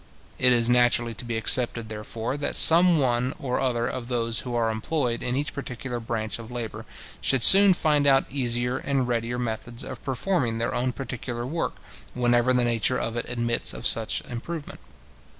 It is naturally to be expected, therefore, that some one or other of those who are employed in each particular branch of labour should soon find out easier and readier methods of performing their own particular work, whenever the nature of it admits of such improvement.